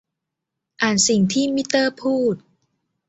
อ่านสิ่งที่มิเตอร์พูด